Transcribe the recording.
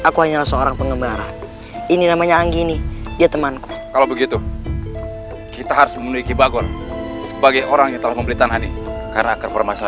kau tidak perlu tahu siapa kami